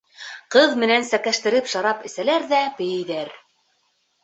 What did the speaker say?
Ҡыҙ менән сәкәштереп шарап әсәләр ҙә бейейҙәр.